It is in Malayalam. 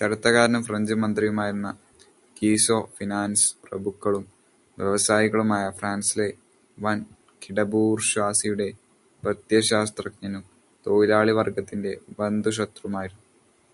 ചരിത്രകാരനും ഫ്രഞ്ച് മന്ത്രിയുമായിരുന്ന ഗിസോ ഫിനാൻസ് പ്രഭുക്കളും വ്യവസായികളുമായ ഫ്രാൻസിലെ വൻകിടബൂർഷ്വാസിയുടെ പ്രത്യയശാസ്ത്രജ്ഞനും തൊഴിലാളിവർഗത്തിന്റെ ബദ്ധശത്രുവുമായിരുന്നു.